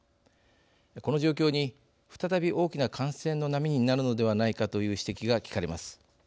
この状況に再び大きな感染の波になるのではないかという指摘が聞かれます。